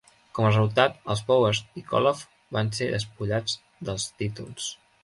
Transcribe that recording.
Com a resultat, els Powers i Koloff van ser despullats dels títols.